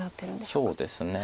そうですね。